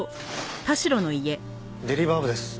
デリバー部です。